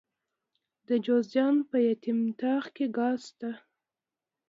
د جوزجان په یتیم تاغ کې ګاز شته.